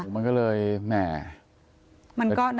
มันก็เลยแหม